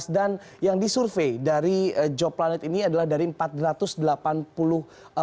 dan yang disurvei dari job planet ini adalah dari empat ratus delapan puluh perusahaan